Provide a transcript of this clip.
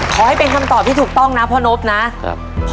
ขอให้เป็นคำตอบที่ถูกต้องนะพ่อนบนะครับ